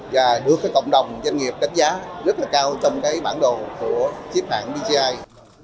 và được cộng đồng doanh nghiệp đánh giá rất cao trong bản đồ của chiếc hàng vcci